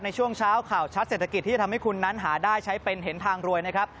ในช่วงเช้าข่าวชัดเศรษฐกิจที่จะทำให้คุณนั้นหาได้ใช้เป็นเห็นทางรวยนะครับ